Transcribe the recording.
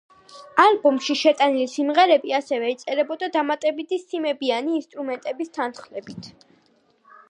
ალბომში შეტანილი სიმღერები ასევე იწერებოდა დამატებითი სიმებიანი ინსტრუმენტების თანხლებით.